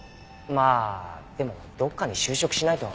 まあでもどっかに就職しないと。